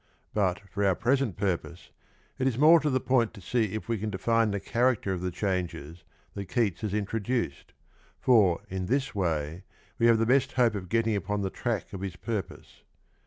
But for our present purpose it is more to the point to see if w^e can define the character of the changes that Keats has introduced, for in this way we have the best hope of get ting upon the track of his purpose.